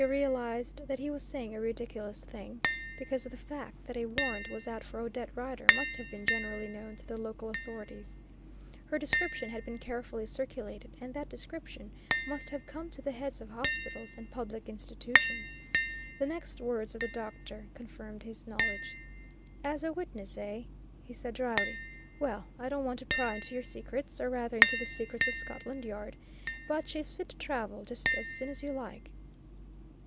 He realised that he was saying a ridiculous thing, because the fact that a warrant was out for Odette Rider must have been generally known to the local authorities. Her description had been carefully circulated, and that description must have come to the heads of hospitals and public institutions. The next words of the doctor confirmed his knowledge. "As a witness, eh?" he said dryly. "Well, I don't want to pry into your secrets, or rather into the secrets of Scotland Yard, but she is fit to travel just as soon as you like."